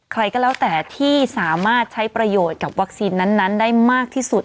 ใครก็แล้วแต่ที่สามารถใช้ประโยชน์กับวัคซีนนั้นได้มากที่สุด